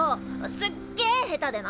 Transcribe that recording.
すっげえ下手でな。